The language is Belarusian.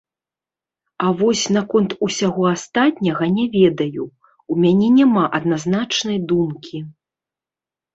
А вось наконт усяго астатняга не ведаю, у мяне няма адназначнай думкі.